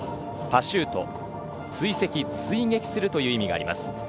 パシュート、追跡するという意味があります。